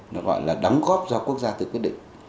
nó gọi là đóng góp do quốc gia tự quyết định